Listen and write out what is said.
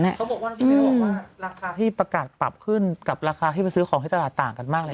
เขาบอกว่าที่ไม่ได้บอกว่าราคาที่ประกาศปรับขึ้นกับราคาที่ไปซื้อของที่ตลาดต่างกันมากเลย